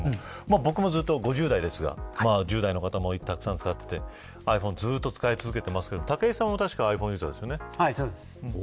僕も、ずっと５０代ですが１０代の方もたくさん使っていてｉＰｈｏｎｅをずっと使い続けてますけど武井さんは確かそうです。